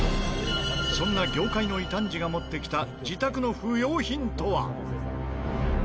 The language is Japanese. そんな業界の異端児が持ってきた自宅の不要品とは？